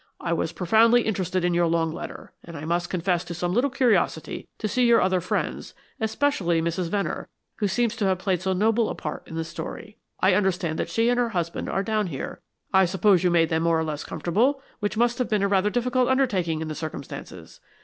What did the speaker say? I was profoundly interested in your long letter, and I must confess to some little curiosity to see your other friends, especially Mrs. Venner, who seems to have played so noble a part in the story. I understand that she and her husband are down here. I suppose you made them more or less comfortable, which must have been a rather difficult undertaking in the circumstances.